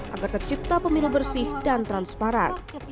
agar tercipta pemilu bersih dan transparan